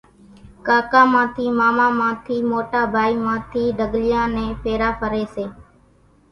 ڪاڪا مان ٿي ماما مان ٿي موٽا ڀائي مان ٿي ڍڳليان نين ڦيرا ڦري سي۔